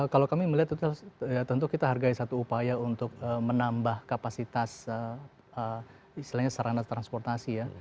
kalau kami melihat itu tentu kita hargai satu upaya untuk menambah kapasitas istilahnya sarana transportasi ya